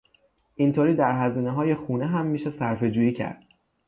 اینطوری در هزینههای خونه هم میشه صرفهجویی کرد.